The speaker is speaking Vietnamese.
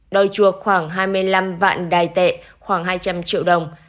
đòi chuộc khoảng hai mươi năm vạn đài tệ khoảng hai trăm linh triệu đồng